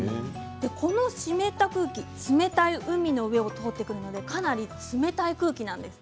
この湿った空気、冷たい海の上を通ってくるのでかなり冷たい空気なんです。